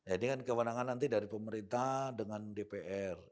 ini kan kewenangan nanti dari pemerintah dengan dpr